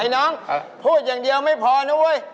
น้องพูดอย่างเดียวไม่พอนะเว้ย